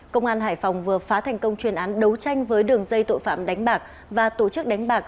công an hải phòng vừa phá thành công chuyên án đấu tranh với đường dây tội phạm đánh bạc và tổ chức đánh bạc